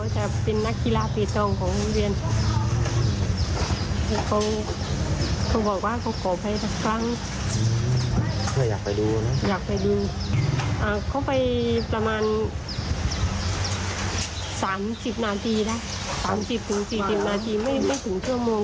ตั้ง๓๐๔๐นาทีแล้วไม่ถึงครึ่งชั่วโมง